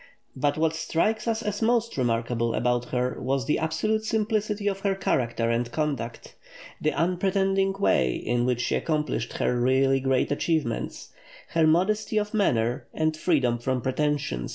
But what strikes us as most remarkable about her was the absolute simplicity of her character and conduct; the unpretending way in which she accomplished her really great achievements; her modesty of manner and freedom from pretension.